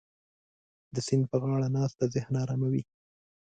د سیند په غاړه ناسته ذهن اراموي.